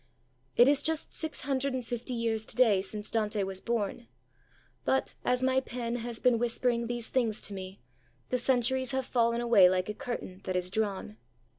It is just six hundred and fifty years to day since Dante was born; but, as my pen has been whispering these things to me, the centuries have fallen away like a curtain that is drawn.